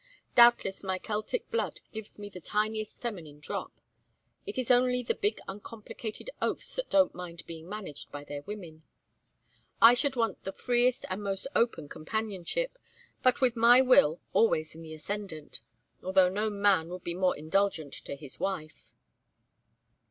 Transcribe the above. Doubtless my Celtic blood gives me the tiniest feminine drop. It is only the big uncomplicated oafs that don't mind being managed by their women. I should want the freest and most open companionship, but with my will always in the ascendant although no man would be more indulgent to his wife."